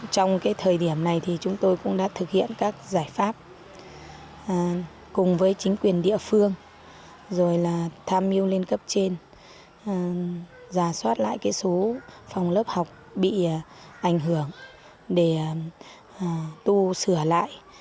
trong thời điểm này thì chúng tôi cũng đã thực hiện các giải pháp cùng với chính quyền địa phương rồi là tham mưu lên cấp trên giả soát lại số phòng lớp học bị ảnh hưởng để tu sửa lại